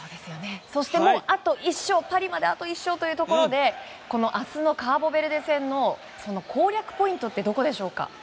そして、パリまであと１勝というところでこの明日のカーボベルデ戦の攻略ポイントってどういうところでしょうか。